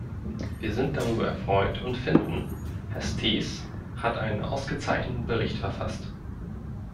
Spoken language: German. Wir sind darüber erfreut und finden, Herr Staes hat einen ausgezeichneten Bericht verfasst.